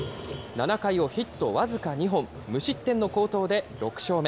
７回をヒット僅か２本、無失点の好投で６勝目。